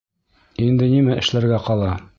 Инде нимә эшләргә ҡала?